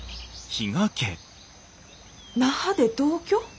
那覇で同居？